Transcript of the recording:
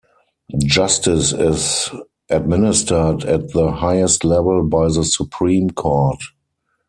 Justice is administered at the highest level by the Supreme Court.